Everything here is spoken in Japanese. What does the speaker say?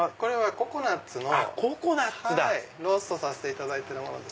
ココナツのローストさせていただいてるもの。